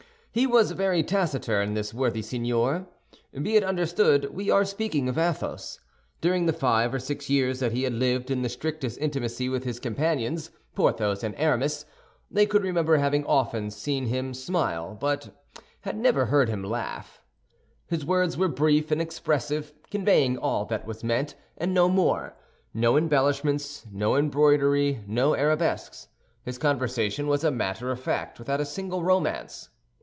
He was very taciturn, this worthy signor. Be it understood we are speaking of Athos. During the five or six years that he had lived in the strictest intimacy with his companions, Porthos and Aramis, they could remember having often seen him smile, but had never heard him laugh. His words were brief and expressive, conveying all that was meant, and no more; no embellishments, no embroidery, no arabesques. His conversation was a matter of fact, without a single romance.